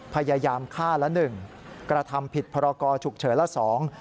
พยายามฆ่าละหนึ่งกระทำผิดพรกรฉุกเฉินละสอง